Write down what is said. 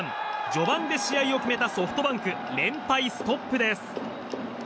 序盤で試合を決めたソフトバンク連敗ストップです！